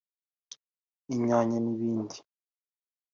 inyanya n’ibindi